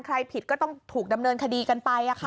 ผิดก็ต้องถูกดำเนินคดีกันไป